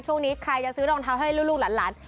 ช่วงนี้ใครจะซื้อรองเท้าให้ลูกหลาน